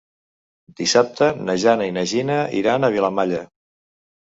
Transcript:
Dissabte na Jana i na Gina iran a Vilamalla.